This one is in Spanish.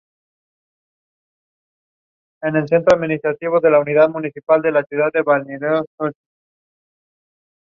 Nació como Esther Mae Jones en Galveston, Texas.